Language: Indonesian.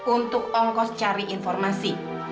untuk ongkos cari informasi